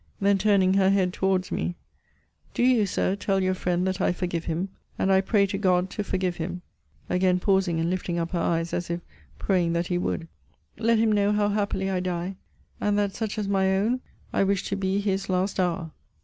Then turning her head towards me Do you, Sir, tell your friend that I forgive him! And I pray to God to forgive him! Again pausing, and lifting up her eyes as if praying that He would. Let him know how happily I die: And that such as my own, I wish to be his last hour.